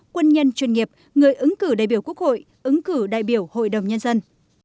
quân nhân chuyên nghiệp người ứng cử đại biểu quốc hội ứng cử đại biểu hội đồng nhân dân